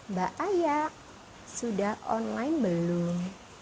mbak aya sudah online belum